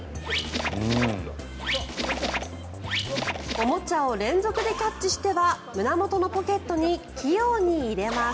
おもちゃを連続でキャッチしては胸元のポケットに器用に入れます。